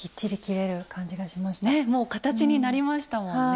もう形になりましたもんね。